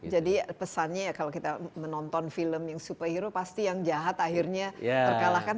jadi pesannya kalau kita menonton film yang superhero pasti yang jahat akhirnya terkalahkan